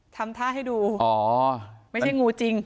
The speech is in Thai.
ทำท่าให้ดูอ๋อไม่ใช่งูจริง